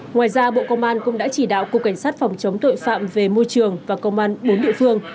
ngoài ra bộ công an cũng đã chỉ đạo cục cảnh sát phòng chống tội phạm về môi trường và công an bốn địa phương